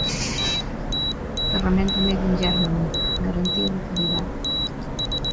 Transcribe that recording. Ferramenta “Made in Germany”, garantía de calidade